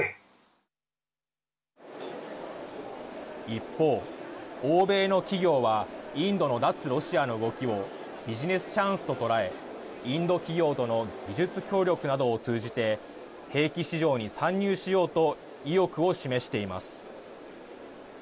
一方、欧米の企業はインドの脱ロシアの動きをビジネスチャンスと捉えインド企業との技術協力などを通じて兵器市場に参入しようと意欲を示しています。